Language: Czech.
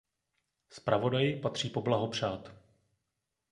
Zpravodaji patří poblahopřát.